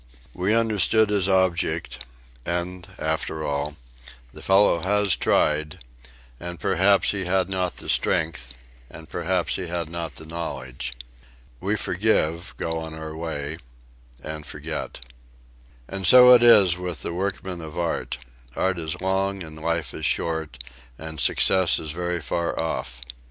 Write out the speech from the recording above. We understood his object, and, after all, the fellow has tried, and perhaps he had not the strength and perhaps he had not the knowledge. We forgive, go on our way and forget. And so it is with the workman of art. Art is long and life is short, and success is very far off.